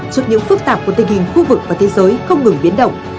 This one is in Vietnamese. trước những phức tạp của tình hình khu vực và thế giới không ngừng biến động